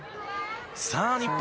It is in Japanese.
さあ日本